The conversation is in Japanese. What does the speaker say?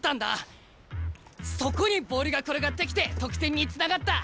そこにボールが転がってきて得点につながった。